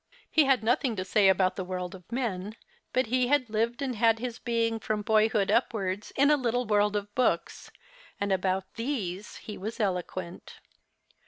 He had nothing to say about the world of men, but he had lived and had his being from boyhood upwards in a little world of books, and about these he was eloquent.